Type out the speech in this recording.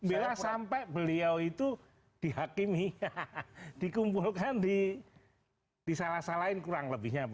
bila sampai beliau itu dihakimi dikumpulkan disalah salahin kurang lebihnya